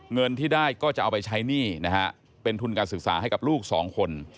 เงินที่ได้ก็จะเอาไปใช้หนี้นะฮะเป็นทุนการศึกษาให้กับลูกสองคน